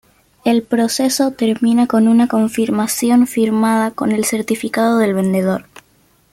El proceso termina con una confirmación firmada con el certificado del vendedor.